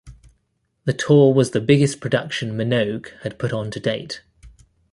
The tour was the biggest production Minogue had put on to date.